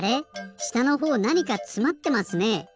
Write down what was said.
したのほうなにかつまってますね？